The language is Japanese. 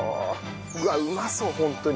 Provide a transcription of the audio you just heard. うわっうまそうホントに。